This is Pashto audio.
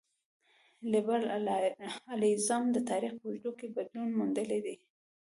لېبرالیزم د تاریخ په اوږدو کې بدلون موندلی دی.